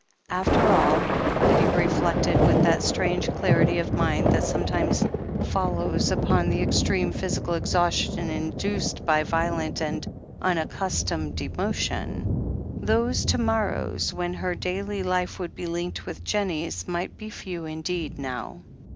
After all, Lydia reflected, with that strange clarity of mind that sometimes follows upon extreme physical exhaustion induced by violent and unaccustomed emo tion, those to morrows when her daily life would be linked with Jennie's might be few indeed now.